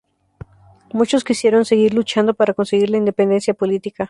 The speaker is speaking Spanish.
Muchos quisieron seguir luchando para conseguir la independencia política.